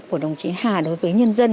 của đồng chí hà đối với nhân dân